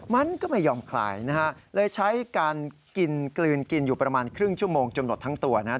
มันก็ไม่ยอมคลายนะฮะเลยใช้การกินกลืนกินอยู่ประมาณครึ่งชั่วโมงจนหมดทั้งตัวนะครับ